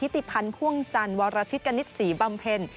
ติพันธ์พ่วงจันทร์วรชิตกณิตศรีบำเพ็ญ